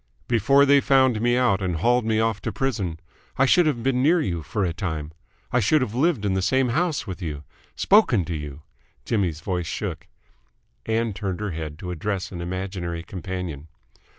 "Before they found me out and hauled me off to prison, I should have been near you for a time. I should have lived in the same house with you, spoken to you !" Jimmy's voice shook. Ann turned her head to address an imaginary companion.